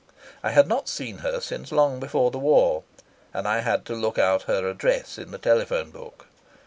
I had not seen her since long before the war, and I had to look out her address in the telephone book.